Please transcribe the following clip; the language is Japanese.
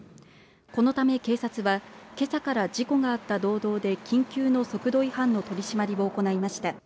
このため警察はけさから事故があった道道で緊急の速度違反の取締りを行いました。